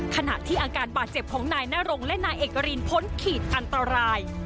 ขณะที่อาการบาดเจ็บของนายนรงและนายเอกรินพ้นขีดอันตราย